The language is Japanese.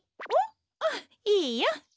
あっいいよ。